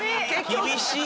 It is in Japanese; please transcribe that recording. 厳しい。